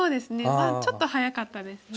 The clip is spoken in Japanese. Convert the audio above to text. まだちょっと早かったですね。